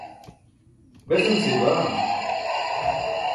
Besan seybaa?